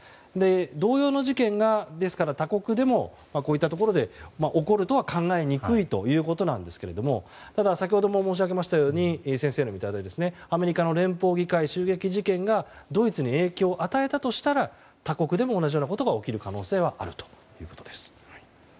同様の事件が他国のイタリアやフランスでも起こるとは考えにくいということですがただ先ほど申し上げましたようにアメリカの連邦議会襲撃事件がドイツに影響を与えたとしたら他国でも同じようなことが起きる可能性があるということです。